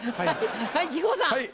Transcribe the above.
はい木久扇さん。